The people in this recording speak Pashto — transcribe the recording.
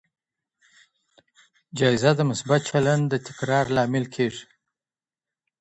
جایزه د مثبت چلند د تکرار لامل کیږي.